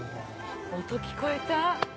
音聞こえた。